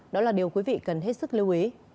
đó là điều quý vị cần hết sức lưu ý